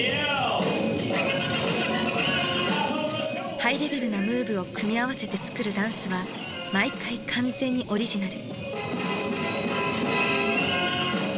ハイレベルなムーブを組み合わせて作るダンスは毎回完全にオリジナル。